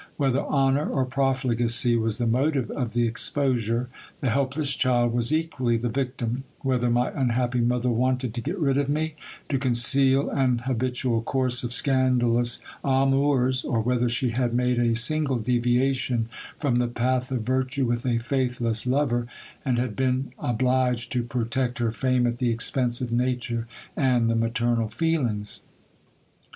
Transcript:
Whether honour or profligacy was the motive of the exposure, the helpless child was equally the victim ; whether my unhappy mother wanted to get rid of me, lo ;onceal an habitual course of scandalous amours, or whether she had made a single deviation from the path of %'irtue with a faithless lover, and had been ob lig. d to protect her fame at the expense of nature and the maternal feelings.